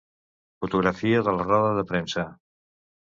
Fotografia de la roda de premsa.